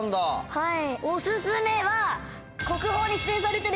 はい！